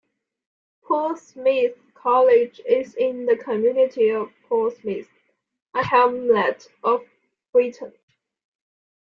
Paul Smith's College is in the community of Paul Smiths, a hamlet of Brighton.